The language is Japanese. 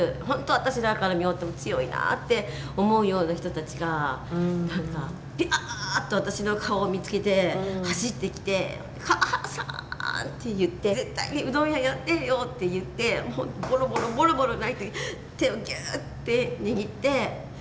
私らから見よっても強いなあって思うような人たちがびゃっと私の顔を見つけて走ってきて「川原さん！」って言って「絶対にうどん屋やってよ」って言ってぼろぼろぼろぼろ泣いて手をぎゅうって握って。